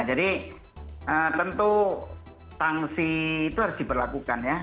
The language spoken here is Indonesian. jadi tentu sanksi itu harus diberlakukan ya